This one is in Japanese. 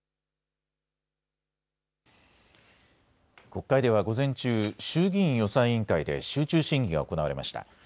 国会では午前中、衆議院予算委員会で集中審議が行われました。